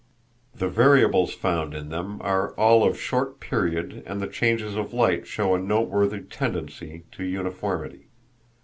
The variables found in them are all of short period and the changes of light show a noteworthy tendency to uniformity.